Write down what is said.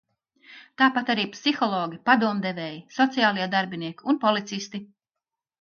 Tāpat arī psihologi, padomdevēji, sociālie darbinieki un policisti.